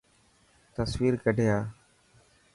تصوير ڪڌي آءِ.